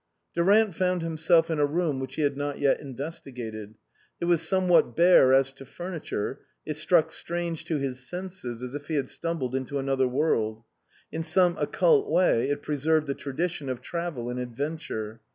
Durant found himself in a room which he had not yet investigated. It was somewhat bare as to furniture ; it struck strange to his senses as if he had stumbled into another world ; in some occult way it preserved a tradition of travel and adventure.